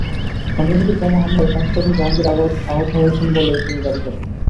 সন্ত্রাসীদের বোমা হামলায় কনস্টেবল জাহাঙ্গীর আহত হয়েছেন বলেও তিনি দাবি করেন।